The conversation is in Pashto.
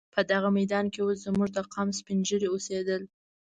په دغه میدان کې اوس زموږ د قام سپین ږیري اوسېدل.